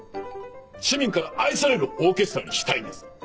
市民から愛されるオーケストラにしたいんです。